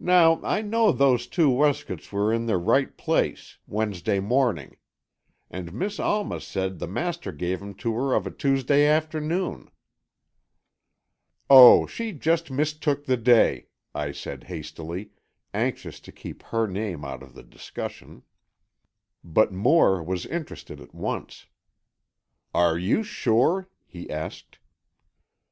Now, I know those two weskits were in their right place Wednesday morning. And Miss Alma said the master gave 'em to her of a Tuesday afternoon." "Oh, she just mistook the day," I said, hastily, anxious to keep her name out of the discussion. But Moore was interested at once. "Are you sure?" he asked.